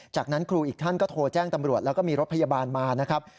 จากนั้นครูอีกท่านก็โทรแจ้งตำรวจแล้วก็มีรถพยาบาลมานะครับ